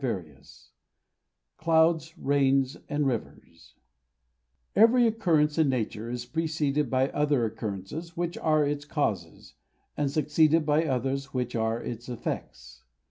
Wordsworth CLOUDS, RAINS, AND RIVERS Every occurrence in Nature is preceded by other occurrences which are its causes, and succeeded by others which are its effects.